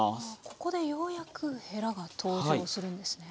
ここでようやくへらが登場するんですね。